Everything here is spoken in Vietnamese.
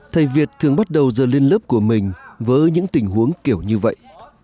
thầy việt thường bắt đầu giờ lên lớp của mình với những tình huống kiểu như vậy